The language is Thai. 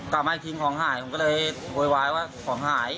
กลับมาอีกทีของหายผมก็เลยโวยวายว่าของหาย